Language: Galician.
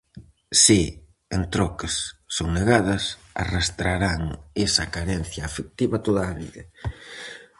Se, en troques, son negadas, arrastrarán esa carencia afectiva toda a vida.